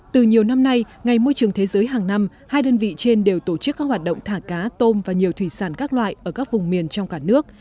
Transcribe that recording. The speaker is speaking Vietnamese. từ nhiều năm nay ngày môi trường thế giới hàng năm hai đơn vị trên đều tổ chức các hoạt động thả cá tôm và nhiều thủy sản các loại ở các vùng miền trong cả nước